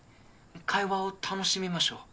会話を楽しみましょう。